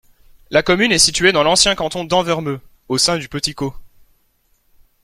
La commune est située dans l'ancien canton d'Envermeu, au sein du Petit Caux.